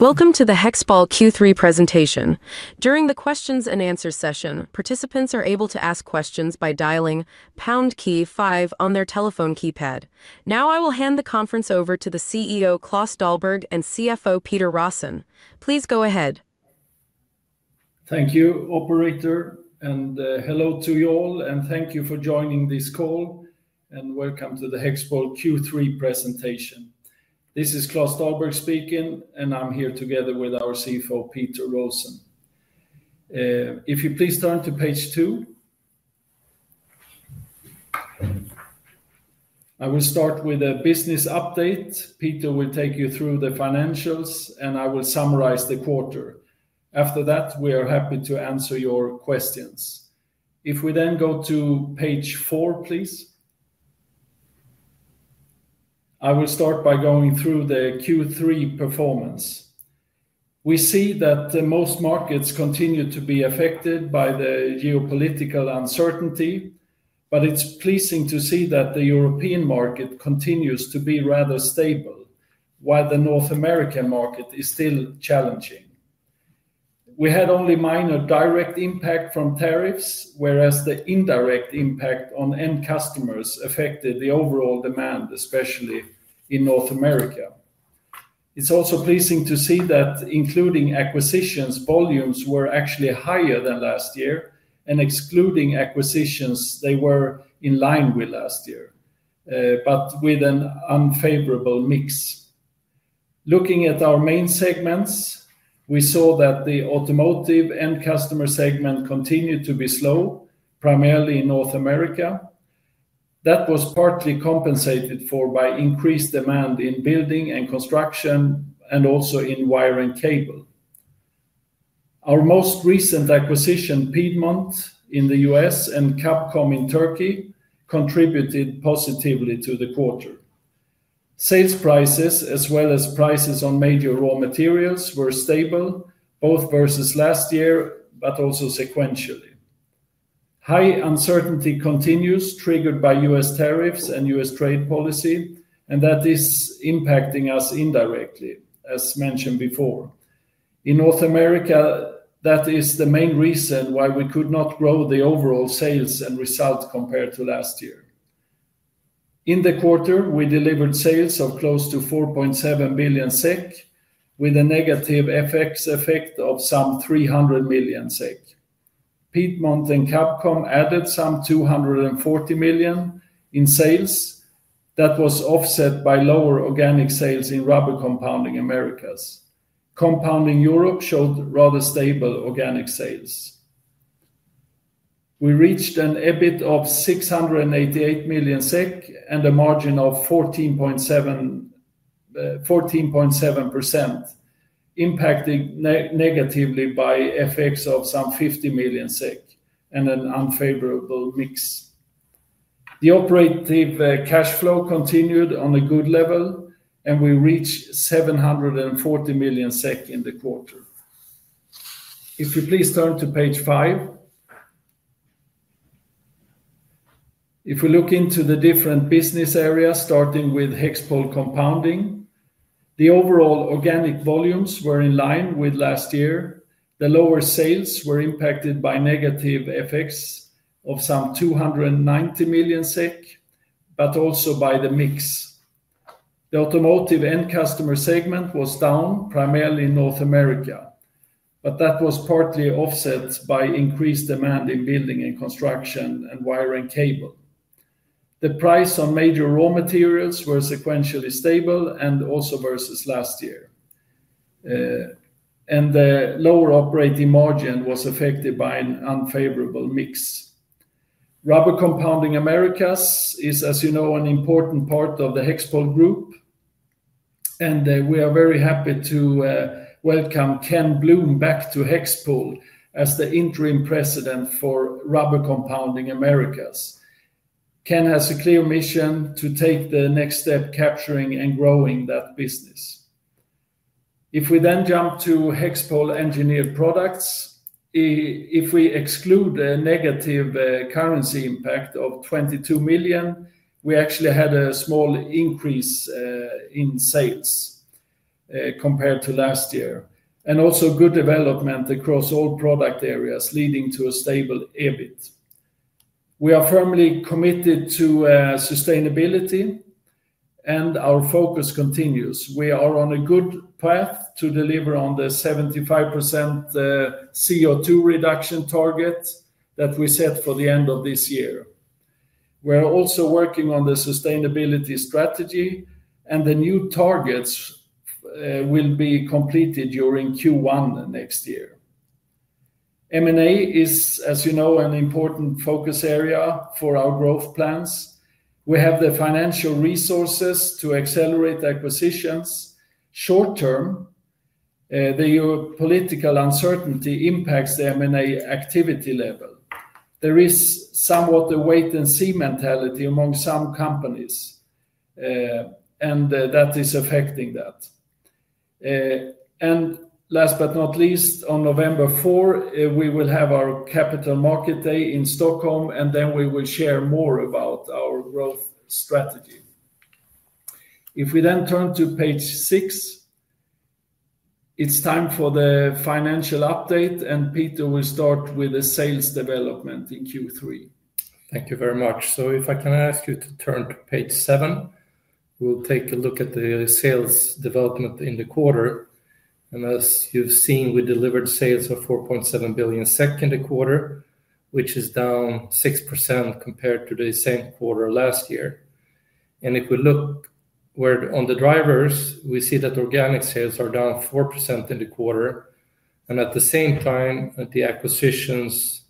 Welcome to the HEXPOL Q3 presentation. During the questions and answers session, participants are able to ask questions by dialing #KEY-5 on their telephone keypad. Now, I will hand the conference over to the CEO, Klas Dahlberg, and CFO, Peter Rosén. Please go ahead. Thank you, Operator, and hello to you all, and thank you for joining this call, and welcome to the HEXPOL Q3 presentation. This is Klas Dahlberg speaking, and I'm here together with our CFO, Peter Rosén. If you please turn to page two, I will start with a business update. Peter will take you through the financials, and I will summarize the quarter. After that, we are happy to answer your questions. If we then go to page four, please. I will start by going through the Q3 performance. We see that most markets continue to be affected by the geopolitical uncertainty, but it's pleasing to see that the European market continues to be rather stable, while the North American market is still challenging. We had only minor direct impact from tariffs, whereas the indirect impact on end customers affected the overall demand, especially in North America. It's also pleasing to see that, including acquisitions, volumes were actually higher than last year, and excluding acquisitions, they were in line with last year, but with an unfavorable mix. Looking at our main segments, we saw that the automotive end customer segment continued to be slow, primarily in North America. That was partly compensated for by increased demand in building and construction, and also in wire and cable. Our most recent acquisition, Piedmont in the U.S. and Capkom in Turkey, contributed positively to the quarter. Sales prices, as well as prices on major raw materials, were stable, both versus last year, but also sequentially. High uncertainty continues, triggered by U.S. tariffs and U.S. trade policy, and that is impacting us indirectly, as mentioned before. In North America, that is the main reason why we could not grow the overall sales and result compared to last year. In the quarter, we delivered sales of close to 4.7 billion SEK, with a negative FX effect of some 300 million SEK. Piedmont and Capkom added some 240 million in sales. That was offset by lower organic sales in rubber compounding Americas. Compounding Europe showed rather stable organic sales. We reached an EBIT of 688 million SEK and a margin of 14.7%, impacted negatively by FX of some 50 million SEK and an unfavorable mix. The operative cash flow continued on a good level, and we reached 740 million SEK in the quarter. If you please turn to page five. If we look into the different business areas, starting with HEXPOL compounding, the overall organic volumes were in line with last year. The lower sales were impacted by negative FX of some 290 million SEK, but also by the mix. The automotive end customer segment was down, primarily in North America, but that was partly offset by increased demand in building and construction and wire and cable. The price on major raw materials was sequentially stable, and also versus last year. The lower operating margin was affected by an unfavorable mix. Rubber Compounding Americas is, as you know, an important part of the HEXPOL Group, and we are very happy to welcome Ken Bloom back to HEXPOL as the Interim President for Rubber Compounding Americas. Ken has a clear mission to take the next step capturing and growing that business. If we then jump to HEXPOL Engineered Products, if we exclude the negative currency impact of 22 million, we actually had a small increase in sales compared to last year, and also good development across all product areas, leading to a stable EBIT. We are firmly committed to sustainability, and our focus continues. We are on a good path to deliver on the 75% CO2 reduction target that we set for the end of this year. We're also working on the sustainability strategy, and the new targets will be completed during Q1 next year. M&A is, as you know, an important focus area for our growth plans. We have the financial resources to accelerate acquisitions. Short term, the political uncertainty impacts the M&A activity level. There is somewhat a wait and see mentality among some companies, and that is affecting that. Last but not least, on November 4, we will have our Capital Market Day in Stockholm, and then we will share more about our growth strategy. If we then turn to page six, it's time for the financial update, and Peter will start with the sales development in Q3. Thank you very much. If I can ask you to turn to page seven, we'll take a look at the sales development in the quarter. As you've seen, we delivered sales of 4.7 billion in the quarter, which is down 6% compared to the same quarter last year. If we look on the drivers, we see that organic sales are down 4% in the quarter, and at the same time, the acquisitions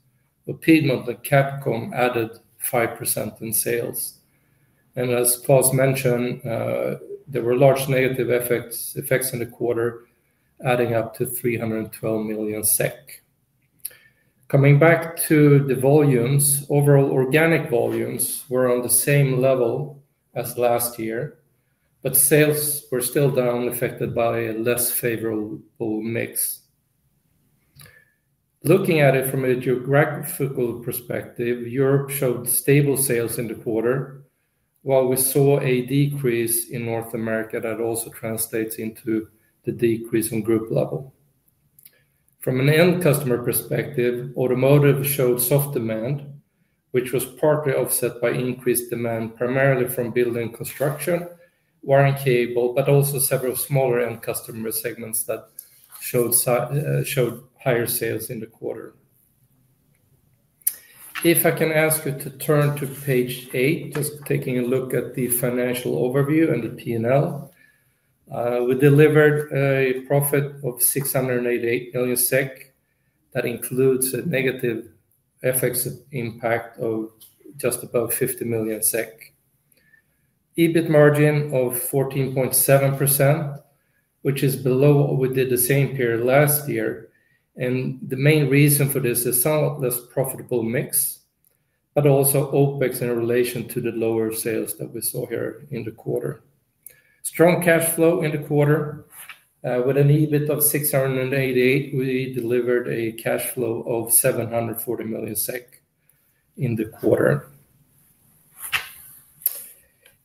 of Piedmont and Capkom added 5% in sales. As Klas mentioned, there were large negative effects in the quarter, adding up to 312 million SEK. Coming back to the volumes, overall organic volumes were on the same level as last year, but sales were still down, affected by a less favorable mix. Looking at it from a geographical perspective, Europe showed stable sales in the quarter, while we saw a decrease in North America that also translates into the decrease in group level. From an end customer perspective, automotive showed soft demand, which was partly offset by increased demand, primarily from building construction, wire and cable, but also several smaller end customer segments that showed higher sales in the quarter. If I can ask you to turn to page eight, just taking a look at the financial overview and the P&L, we delivered a profit of 688 million SEK. That includes a negative FX impact of just above 50 million SEK. EBIT margin of 14.7%, which is below what we did the same period last year, and the main reason for this is somewhat less profitable mix, but also OpEx in relation to the lower sales that we saw here in the quarter. Strong cash flow in the quarter. With an EBIT of 688 million, we delivered a cash flow of 740 million SEK in the quarter.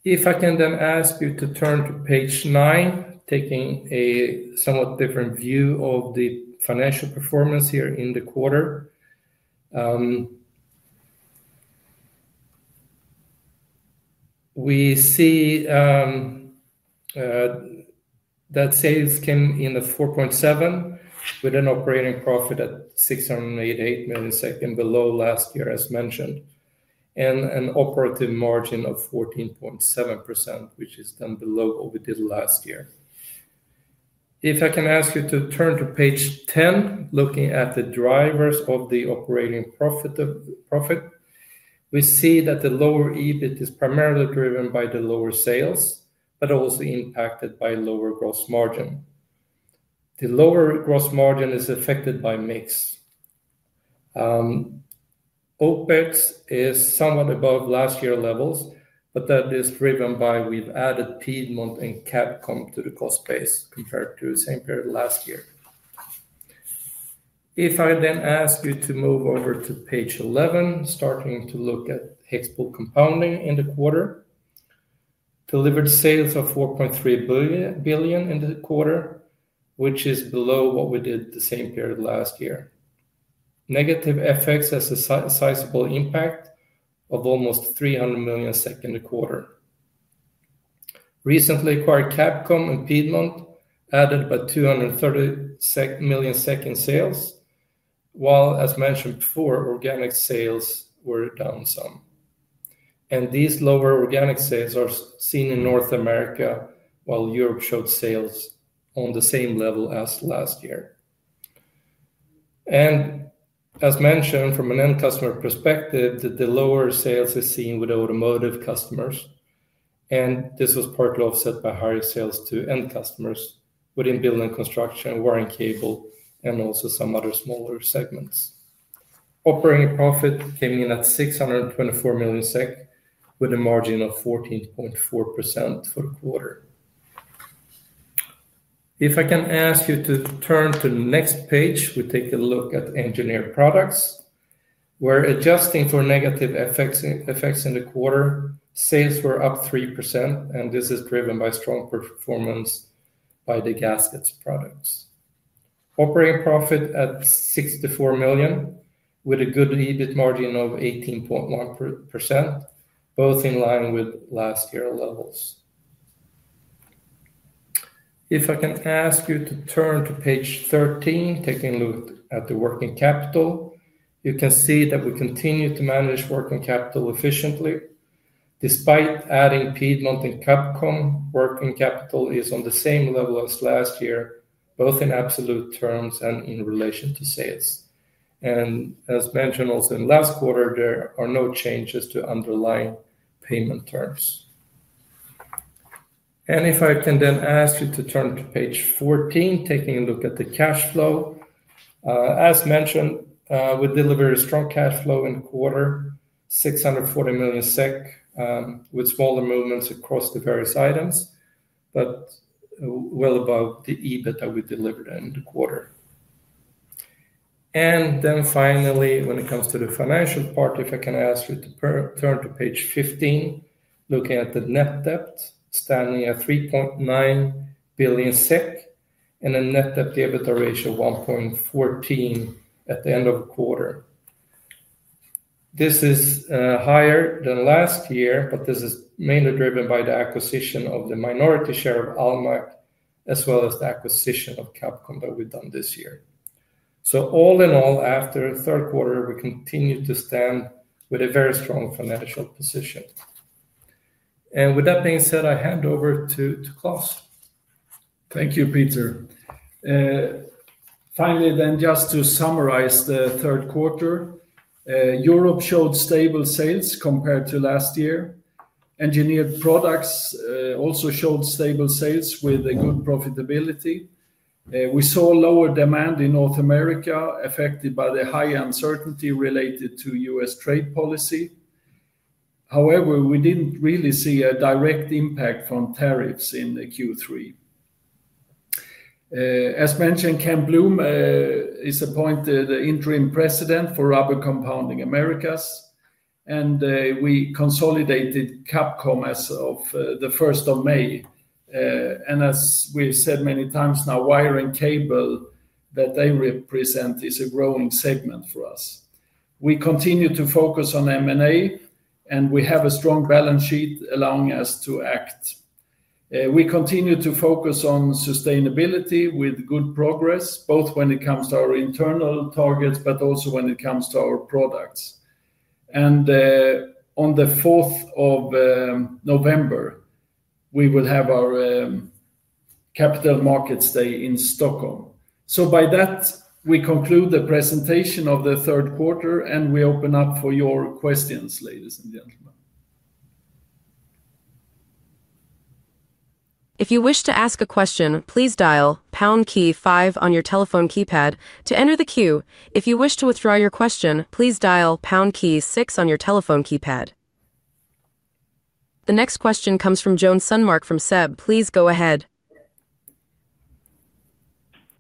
If I can then ask you to turn to page nine, taking a somewhat different view of the financial performance here in the quarter, we see that sales came in at 4.7 billion, with an operating profit at 688 million and below last year, as mentioned, and an operating margin of 14.7%, which is down below what we did last year. If I can ask you to turn to page 10, looking at the drivers of the operating profit, we see that the lower EBIT is primarily driven by the lower sales, but also impacted by lower gross margin. The lower gross margin is affected by mix. OpEx is somewhat above last year's levels, but that is driven by we've added Piedmont and Capkom to the cost base compared to the same period last year. If I then ask you to move over to page 11, starting to look at HEXPOL compounding in the quarter, delivered sales of 4.3 billion in the quarter, which is below what we did the same period last year. Negative FX has a sizable impact of almost 300 million in the quarter. Recently acquired Capkom and Piedmont added about 230 million in sales, while, as mentioned before, organic sales were down some. These lower organic sales are seen in North America, while Europe showed sales on the same level as last year. As mentioned, from an end customer perspective, the lower sales are seen with automotive customers, and this was partly offset by higher sales to end customers within building construction, wire and cable, and also some other smaller segments. Operating profit came in at 624 million SEK, with a margin of 14.4% for the quarter. If I can ask you to turn to the next page, we take a look at engineered products. We're adjusting for negative FX in the quarter. Sales were up 3%, and this is driven by strong performance by the gaskets products. Operating profit at 64 million, with a good EBIT margin of 18.1%, both in line with last year levels. If I can ask you to turn to page 13, taking a look at the working capital, you can see that we continue to manage working capital efficiently. Despite adding Piedmont and Capkom, working capital is on the same level as last year, both in absolute terms and in relation to sales. As mentioned also in the last quarter, there are no changes to underlying payment terms. If I can then ask you to turn to page 14, taking a look at the cash flow. As mentioned, we delivered a strong cash flow in the quarter, 640 million SEK, with smaller movements across the various items, but well above the EBIT that we delivered in the quarter. Finally, when it comes to the financial part, if I can ask you to turn to page 15, looking at the net debt, standing at 3.9 billion SEK, and a net debt to EBITDA ratio of 1.14 at the end of the quarter. This is higher than last year, but this is mainly driven by the acquisition of the minority share of Almac, as well as the acquisition of Capkom that we've done this year. All in all, after the third quarter, we continue to stand with a very strong financial position. With that being said, I hand over to Klas. Thank you, Peter. Finally, then just to summarize the third quarter, Europe showed stable sales compared to last year. Engineered products also showed stable sales with a good profitability. We saw lower demand in North America, affected by the high uncertainty related to U.S. trade policy. However, we didn't really see a direct impact from tariffs in Q3. As mentioned, Ken Bloom is appointed the Interim President for Rubber Compounding Americas, and we consolidated Capkom as of the 1st of May. As we've said many times now, wire and cable that they represent is a growing segment for us. We continue to focus on M&A, and we have a strong balance sheet allowing us to act. We continue to focus on sustainability with good progress, both when it comes to our internal targets, but also when it comes to our products. On the 4th of November, we will have our Capital Markets Day in Stockholm. By that, we conclude the presentation of the third quarter, and we open up for your questions, ladies and gentlemen. If you wish to ask a question, please dial #KEY-5 on your telephone keypad to enter the queue. If you wish to withdraw your question, please dial #KEY-6 on your telephone keypad. The next question comes from Joen Sundmark from SEB. Please go ahead.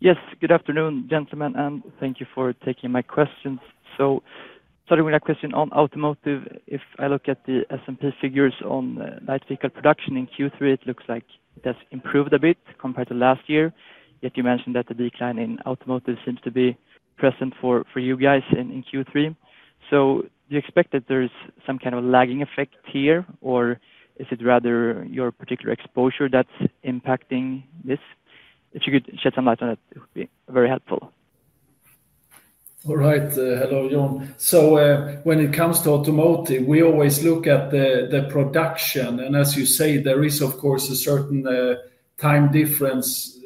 Yes, good afternoon, gentlemen, and thank you for taking my questions. Starting with a question on automotive, if I look at the S&P figures on light vehicle production in Q3, it looks like that's improved a bit compared to last year. Yet you mentioned that the decline in automotive seems to be present for you guys in Q3. Do you expect that there is some kind of a lagging effect here, or is it rather your particular exposure that's impacting this? If you could shed some light on it, it would be very helpful. All right. Hello, Joan. When it comes to automotive, we always look at the production, and as you say, there is, of course, a certain time difference,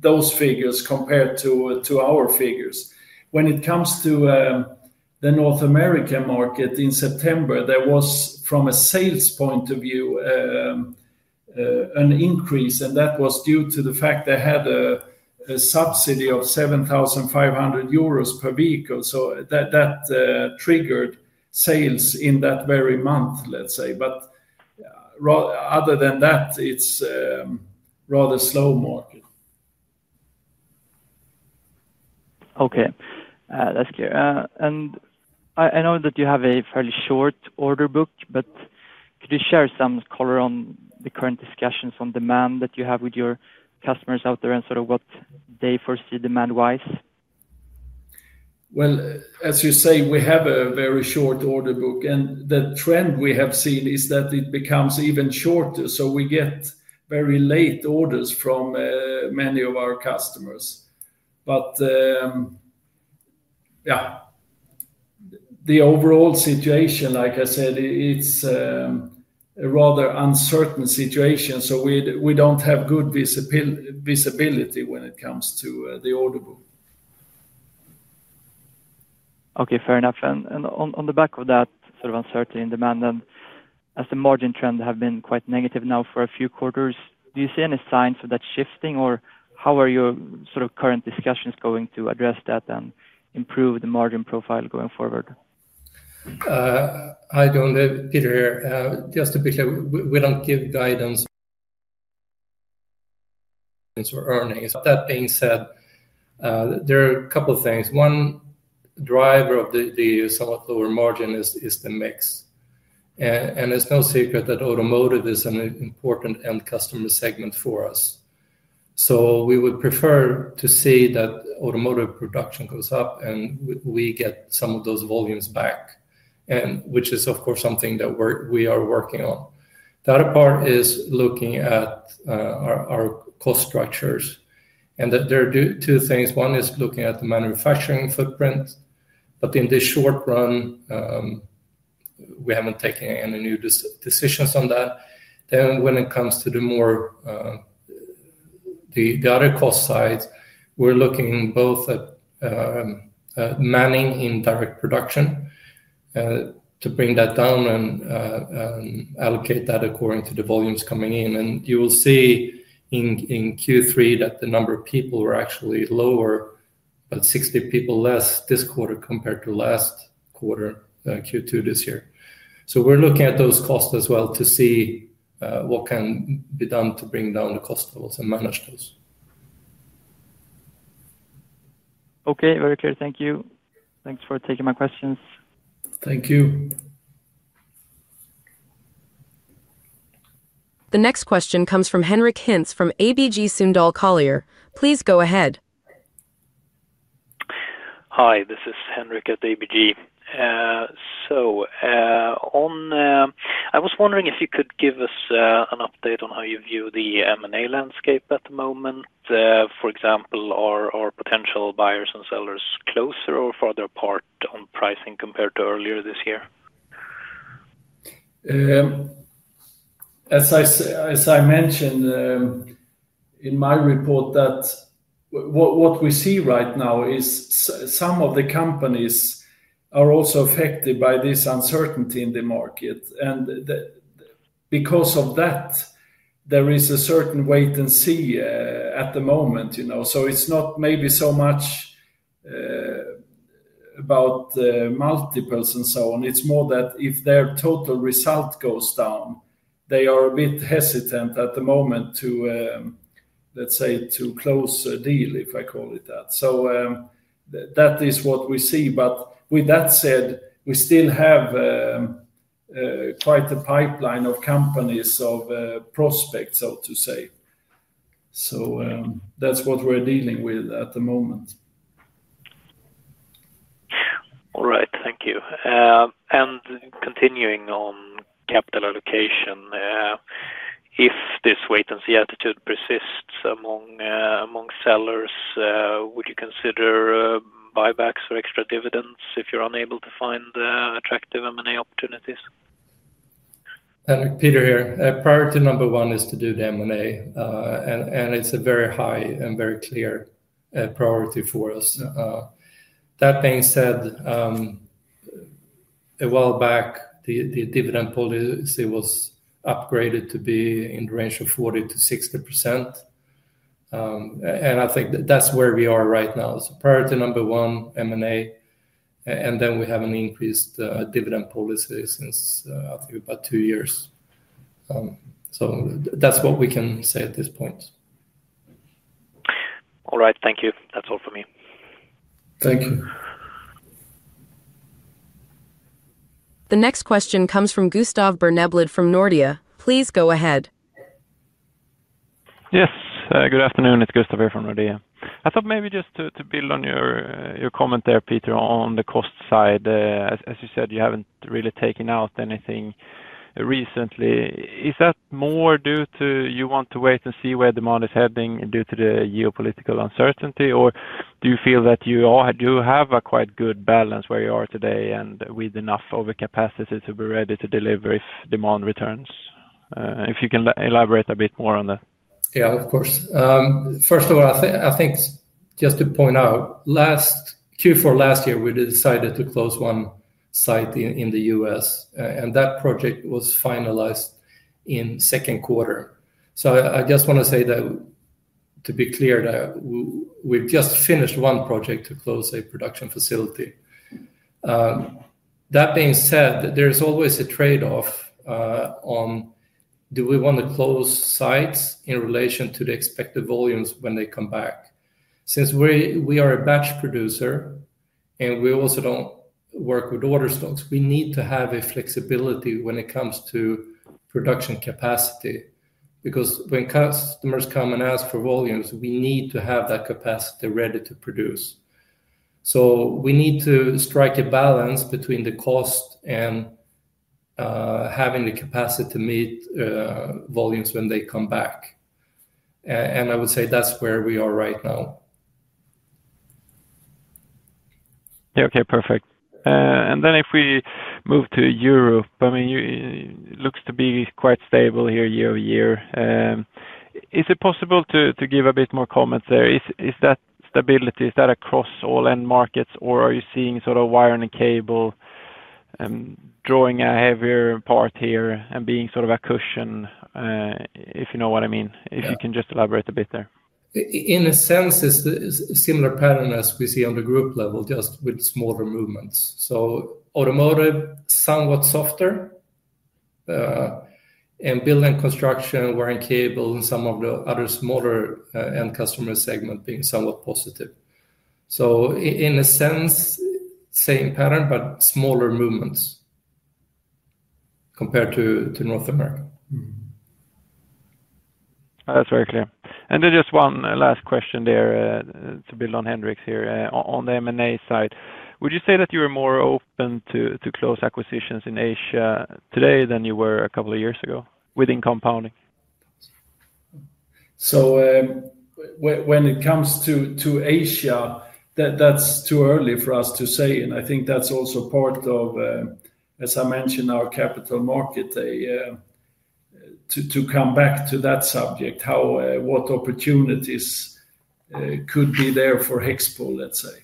those figures compared to our figures. When it comes to the North American market in September, there was, from a sales point of view, an increase, and that was due to the fact they had a subsidy of €7,500 per vehicle. That triggered sales in that very month, let's say. Other than that, it's a rather slow market. Okay. That's clear. I know that you have a fairly short order book, but could you share some color on the current discussions on demand that you have with your customers out there and sort of what they foresee demand-wise? As you say, we have a very short order book, and the trend we have seen is that it becomes even shorter. We get very late orders from many of our customers. The overall situation, like I said, it's a rather uncertain situation, so we don't have good visibility when it comes to the order book. Fair enough. On the back of that sort of uncertainty in demand, as the margin trends have been quite negative now for a few quarters, do you see any signs of that shifting, or how are your sort of current discussions going to address that and improve the margin profile going forward? I don't have Peter here. Just to be clear, we don't give guidance or earnings. That being said, there are a couple of things. One driver of the somewhat lower margin is the mix. It's no secret that automotive is an important end customer segment for us. We would prefer to see that automotive production goes up and we get some of those volumes back, which is, of course, something that we are working on. The other part is looking at our cost structures, and there are two things. One is looking at the manufacturing footprint. In the short run, we haven't taken any new decisions on that. When it comes to the other cost side, we're looking both at manning indirect production to bring that down and allocate that according to the volumes coming in. You will see in Q3 that the number of people were actually lower, about 60 people less this quarter compared to last quarter, Q2 this year. We're looking at those costs as well to see what can be done to bring down the cost levels and manage those. Okay. Very clear. Thank you. Thanks for taking my questions. Thank you. The next question comes from Henrik Hens from ABG Sundal Collier. Please go ahead. Hi, this is Henrik at ABG. I was wondering if you could give us an update on how you view the M&A landscape at the moment. For example, are potential buyers and sellers closer or farther apart on pricing compared to earlier this year? As I mentioned in my report, what we see right now is some of the companies are also affected by this uncertainty in the market. Because of that, there is a certain wait and see at the moment. You know, it's not maybe so much about the multiples and so on. It's more that if their total result goes down, they are a bit hesitant at the moment to, let's say, to close a deal, if I call it that. That is what we see. With that said, we still have quite a pipeline of companies of prospects, so to say. That's what we're dealing with at the moment. All right. Thank you. Continuing on capital allocation, if this wait and see attitude persists among sellers, would you consider buybacks or extra dividends if you're unable to find attractive M&A opportunities? Henrik, Peter here. Priority number one is to do the M&A, and it's a very high and very clear priority for us. That being said, a while back, the dividend policy was upgraded to be in the range of 40%-60%. I think that's where we are right now. Priority number one, M&A, and then we have an increased dividend policy since, I think, about two years. That's what we can say at this point. All right. Thank you. That's all for me. Thank you. The next question comes from Gustav Bernblad from Nordea. Please go ahead. Yes. Good afternoon. It's Gustav here from Nordea. I thought maybe just to build on your comment there, Peter, on the cost side, as you said, you haven't really taken out anything recently. Is that more due to you want to wait and see where demand is heading due to the geopolitical uncertainty, or do you feel that you do have a quite good balance where you are today and with enough overcapacity to be ready to deliver if demand returns? If you can elaborate a bit more on that. Yeah, of course. First of all, I think just to point out, Q4 last year, we decided to close one site in the U.S., and that project was finalized in the second quarter. I just want to say that, to be clear, we've just finished one project to close a production facility. That being said, there's always a trade-off on do we want to close sites in relation to the expected volumes when they come back. Since we are a batch producer and we also don't work with order stocks, we need to have flexibility when it comes to production capacity because when customers come and ask for volumes, we need to have that capacity ready to produce. We need to strike a balance between the cost and having the capacity to meet volumes when they come back. I would say that's where we are right now. Okay. Perfect. If we move to Europe, it looks to be quite stable here year over year. Is it possible to give a bit more comments there? Is that stability across all end markets, or are you seeing sort of wire and cable drawing a heavier part here and being sort of a cushion, if you know what I mean? If you can just elaborate a bit there. In a sense, it's a similar pattern as we see on the group level, just with smaller movements. Automotive, somewhat softer, and building construction, wire and cable, and some of the other smaller end customer segment being somewhat positive. In a sense, same pattern, but smaller movements compared to North America. That's very clear. Just one last question to build on Henrik's here on the M&A side. Would you say that you are more open to close acquisitions in Asia today than you were a couple of years ago within compounding? When it comes to Asia, that's too early for us to say. I think that's also part of, as I mentioned, our Capital Market Day to come back to that subject, what opportunities could be there for HEXPOL, let's say.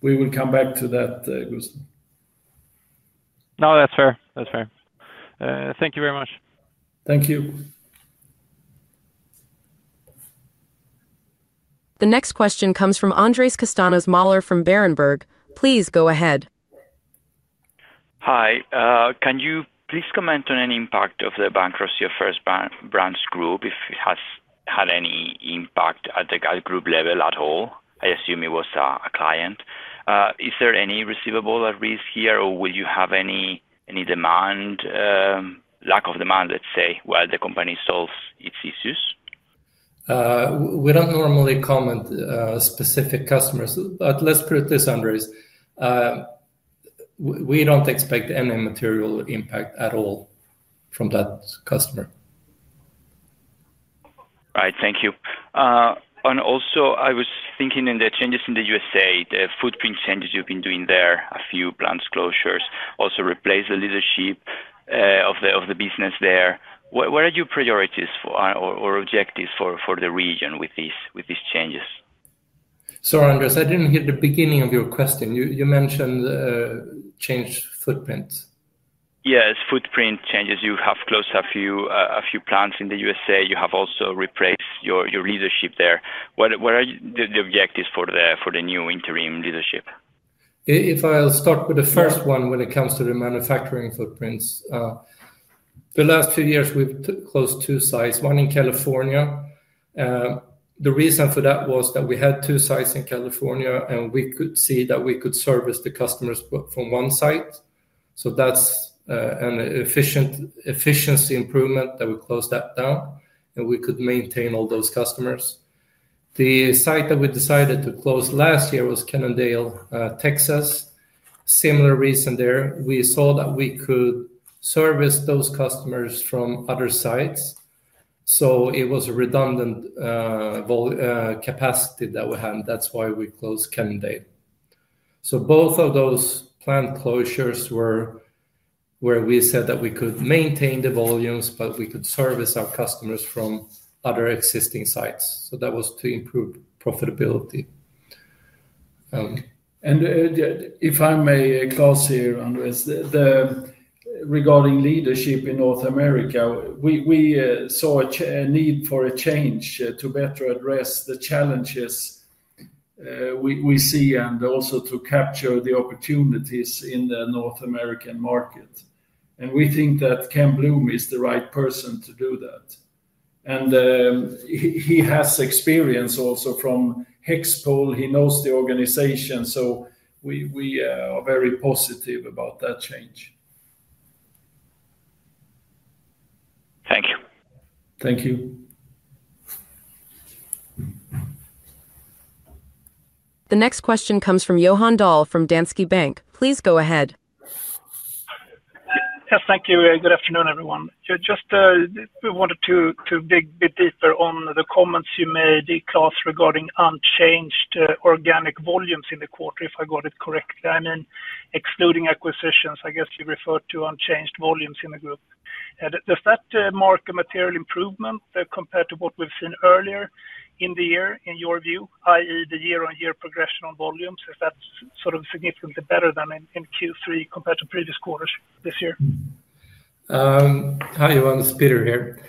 We will come back to that, Gustav. No, that's fair. That's fair. Thank you very much. Thank you. The next question comes from Andreas Costanos-Maller from Berenberg. Please go ahead. Hi. Can you please comment on any impact of the bankruptcy of First Brands Group, if it has had any impact at the GAZ Group level at all? I assume it was a client. Is there any receivable at risk here, or will you have any lack of demand, let's say, while the company solves its issues? We don't normally comment on specific customers, but let's put it this way, Andreas. We don't expect any material impact at all from that customer. Right. Thank you. I was thinking in the changes in the U.S., the footprint changes you've been doing there, a few plant closures, also replaced the leadership of the business there. What are your priorities or objectives for the region with these changes? Sorry, Andreas. I didn't hear the beginning of your question. You mentioned changed footprint. Yes, footprint changes. You have closed a few plants in the U.S. You have also replaced your leadership there. What are the objectives for the new interim leadership? If I start with the first one when it comes to the manufacturing footprints, the last few years, we've closed two sites, one in California. The reason for that was that we had two sites in California, and we could see that we could service the customers from one site. That's an efficiency improvement that we closed that down, and we could maintain all those customers. The site that we decided to close last year was Kennedale, Texas. Similar reason there. We saw that we could service those customers from other sites. It was a redundant capacity that we had. That's why we closed Kennedale. Both of those plant closures were where we said that we could maintain the volumes, but we could service our customers from other existing sites. That was to improve profitability. If I may cross here, Andreas, regarding leadership in North America, we saw a need for a change to better address the challenges we see and also to capture the opportunities in the North American market. We think that Ken Bloom is the right person to do that. He has experience also from HEXPOL. He knows the organization. We are very positive about that change. Thank you. Thank you. The next question comes from Johan Dahl from Danske Bank. Please go ahead. Yeah, thank you. Good afternoon, everyone. We wanted to dig a bit deeper on the comments you made, Klas, regarding unchanged organic volumes in the quarter, if I got it correctly. I mean, excluding acquisitions, I guess you referred to unchanged volumes in the group. Does that mark a material improvement compared to what we've seen earlier in the year, in your view, i.e., the year-on-year progression on volumes? Is that sort of significantly better than in Q3 compared to previous quarters this year? Hi, Joan. It's Peter here.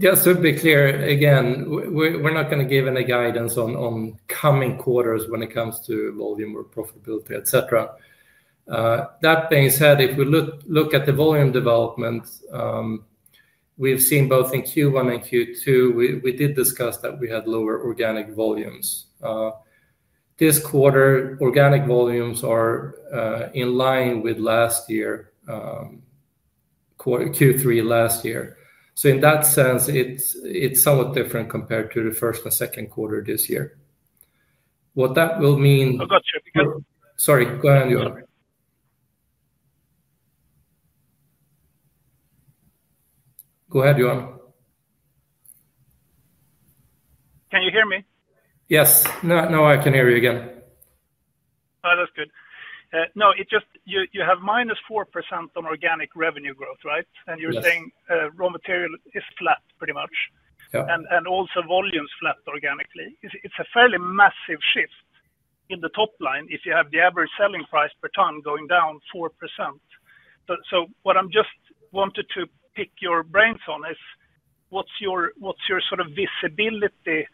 Just to be clear, again, we're not going to give any guidance on coming quarters when it comes to volume or profitability, etc. That being said, if we look at the volume development, we've seen both in Q1 and Q2, we did discuss that we had lower organic volumes. This quarter, organic volumes are in line with last year, Q3 last year. In that sense, it's somewhat different compared to the first and second quarter this year. What that will mean. I got you. Go ahead, Joan. Go ahead, Joan. Can you hear me? Yes, now I can hear you again. Oh, that's good. You have minus 4% on organic revenue growth, right? You're saying raw material is flat pretty much, and also volumes flat organically. It's a fairly massive shift in the top line if you have the average selling price per ton going down 4%. What I wanted to pick your brains on is what's your sort of visibility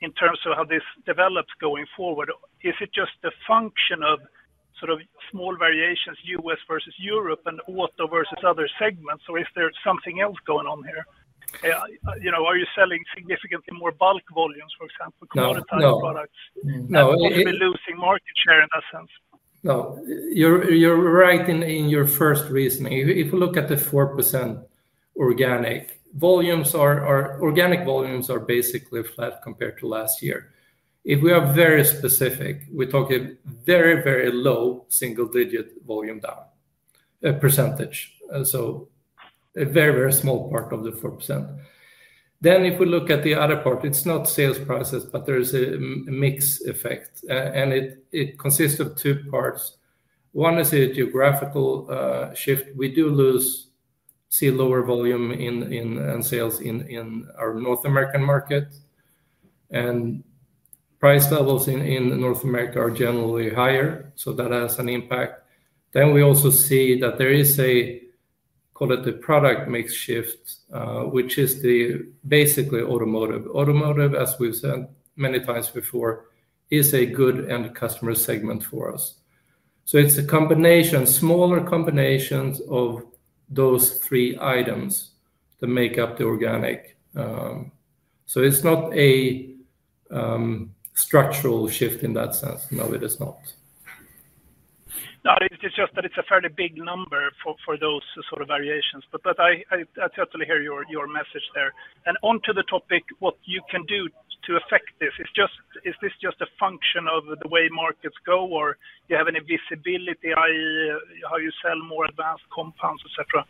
in terms of how this develops going forward? Is it just a function of small variations, U.S. versus Europe and auto versus other segments, or is there something else going on here? Are you selling significantly more bulk volumes, for example, commoditized products? Yeah. Are we losing market share in that sense? No, you're right in your first reasoning. If we look at the 4% organic volumes, our organic volumes are basically flat compared to last year. If we are very specific, we're talking very, very low single-digit volume down %. A very, very small part of the 4%. If we look at the other part, it's not sales prices, but there is a mix effect. It consists of two parts. One is a geographical shift. We do see lower volume in sales in our North American market. Price levels in North America are generally higher, so that has an impact. We also see that there is a, call it a product mix shift, which is basically automotive. Automotive, as we've said many times before, is a good end customer segment for us. It's a combination, smaller combinations of those three items that make up the organic. It's not a structural shift in that sense. No, it is not. No, it's just that it's a fairly big number for those sort of variations. I totally hear your message there. On the topic, what you can do to affect this, is this just a function of the way markets go, or do you have any visibility, i.e., how you sell more advanced compounds, etc.?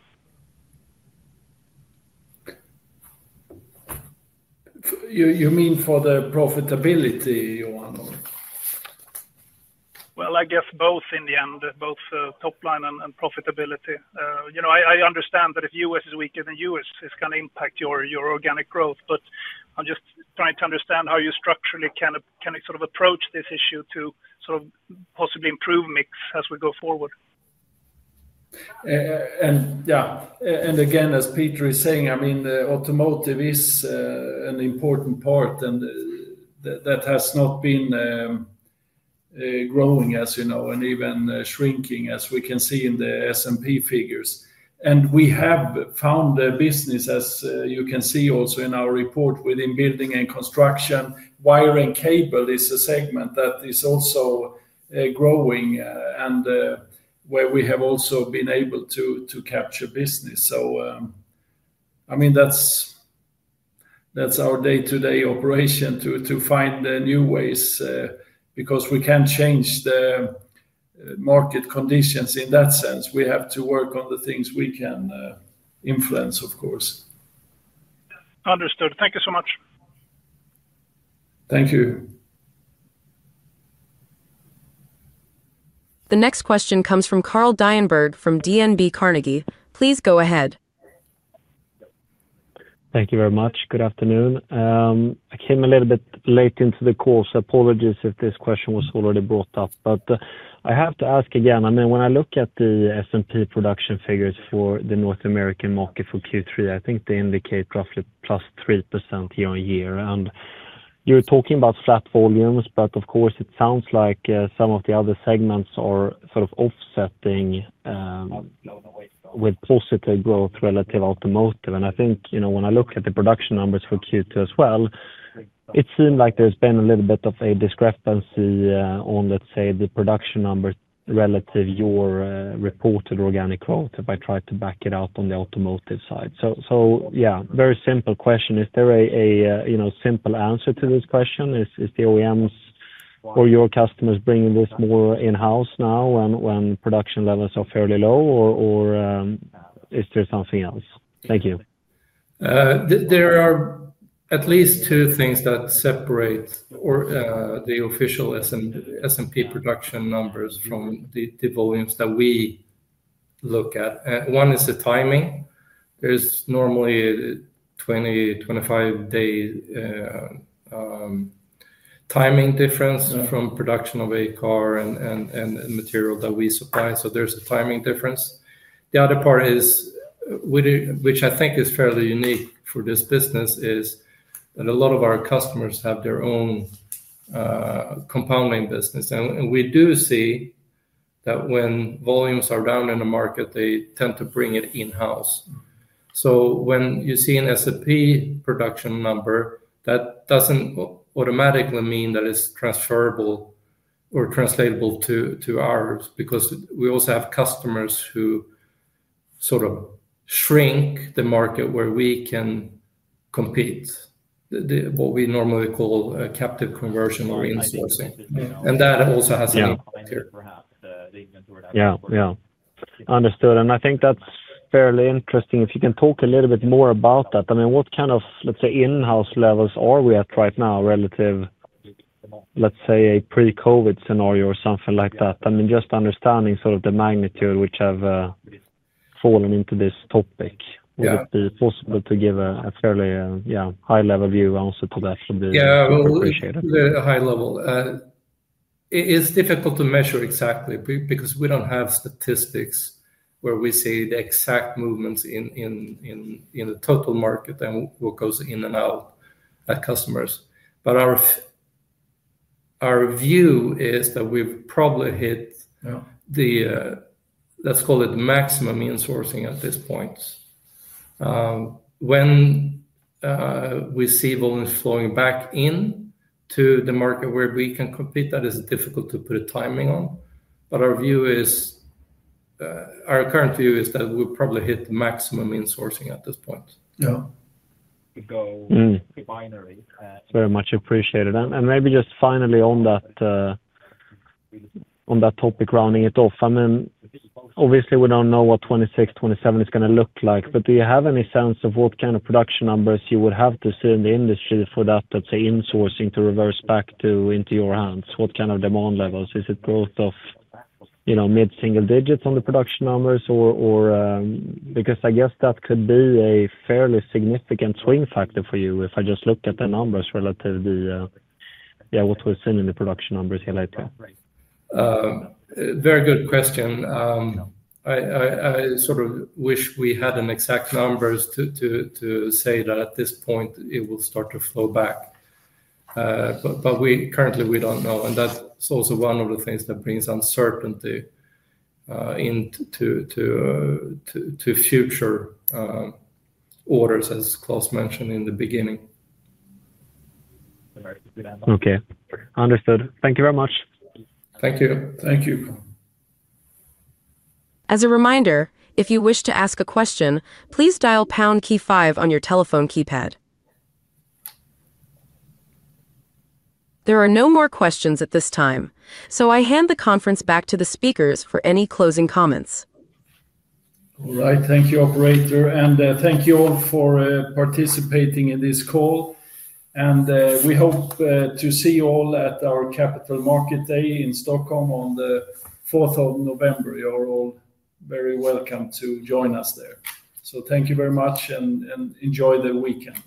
You mean for the profitability, Joan, or? I guess both in the end, both top line and profitability. You know, I understand that if U.S. is weaker than U.S., it's going to impact your organic growth. I'm just trying to understand how you structurally can sort of approach this issue to sort of possibly improve mix as we go forward. As Peter is saying, automotive is an important part, and that has not been growing, as you know, and even shrinking, as we can see in the S&P figures. We have found a business, as you can see also in our report, within building and construction. Wire and cable is a segment that is also growing and where we have also been able to capture business. That is our day-to-day operation to find new ways because we can't change the market conditions in that sense. We have to work on the things we can influence, of course. Understood. Thank you so much. Thank you. The next question comes from Klas Dahlberg from DNB Carnegie. Please go ahead. Thank you very much. Good afternoon. I came a little bit late into the call, so apologies if this question was already brought up. I have to ask again. I mean, when I look at the S&P production figures for the North American market for Q3, I think they indicate roughly +3% year on year. You're talking about flat volumes, of course, it sounds like some of the other segments are sort of offsetting with positive growth relative to automotive. I think, you know, when I look at the production numbers for Q2 as well, it seemed like there's been a little bit of a discrepancy on, let's say, the production numbers relative to your reported organic growth if I try to back it out on the automotive side. Very simple question. Is there a simple answer to this question? Is it the OEMs or your customers bringing this more in-house now when production levels are fairly low, or is there something else? Thank you. There are at least two things that separate the official S&P production numbers from the volumes that we look at. One is the timing. There's normally a 20, 25-day timing difference from production of a car and material that we supply. There's a timing difference. The other part is, which I think is fairly unique for this business, is that a lot of our customers have their own compounding business. We do see that when volumes are down in a market, they tend to bring it in-house. When you see an S&P production number, that doesn't automatically mean that it's transferable or translatable to ours because we also have customers who sort of shrink the market where we can compete, what we normally call captive conversion or insourcing. That also has an impact here. Understood. I think that's fairly interesting. If you can talk a little bit more about that, what kind of, let's say, in-house levels are we at right now relative to a pre-COVID scenario or something like that? Just understanding the magnitude which have fallen into this topic, would it be possible to give a fairly high-level view also to that? Yeah, I would appreciate it. the high level, it's difficult to measure exactly because we don't have statistics where we see the exact movements in the total market and what goes in and out at customers. Our view is that we've probably hit the, let's call it, maximum insourcing at this point. When we see volumes flowing back into the market where we can compete, that is difficult to put a timing on. Our current view is that we've probably hit the maximum insourcing at this point. Yeah. Very much appreciated. Maybe just finally on that topic, rounding it off. Obviously, we don't know what 2026, 2027 is going to look like, but do you have any sense of what kind of production numbers you would have to see in the industry for that, let's say, insourcing to reverse back into your hands? What kind of demand levels? Is it growth of mid-single digits on the production numbers? I guess that could be a fairly significant swing factor for you if I just look at the numbers relative to what we've seen in the production numbers here lately. Very good question. I sort of wish we had exact numbers to say that at this point, it will start to flow back. Currently, we don't know. That's also one of the things that brings uncertainty into future orders, as Klas mentioned in the beginning. Okay. Understood. Thank you very much. Thank you. Thank you. As a reminder, if you wish to ask a question, please dial #KEY-5 on your telephone keypad. There are no more questions at this time. I hand the conference back to the speakers for any closing comments. All right. Thank you, Operator. Thank you all for participating in this call. We hope to see you all at our Capital Market Day in Stockholm on the 4th of November. You're all very welcome to join us there. Thank you very much and enjoy the weekend.